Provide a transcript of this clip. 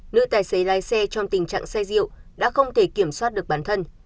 nữ tài xế lái xe trong tình trạng xe diệu đã không thể kiểm soát được bản thân